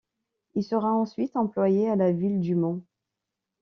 Il sera ensuite employé à la ville du Mans.